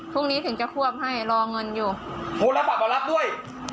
พรุ่งนี้ถึงจะควบให้รอเงินอยู่โทรระบบเอารับด้วย